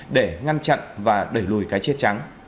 để ngăn chặn và đẩy lùi cái chết trắng